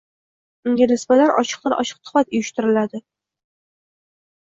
unga nisbatan ochiqdan ochiq tuhmat uyushtiriladi